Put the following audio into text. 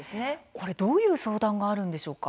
これはどういう相談があるんですか。